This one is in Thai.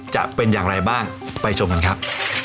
จะเป็นอย่างไรบ้างไปชมกันครับ